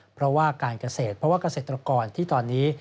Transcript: เพราะว่าการเกษตรเพราะว่าเกษตรกรที่ตอนนี้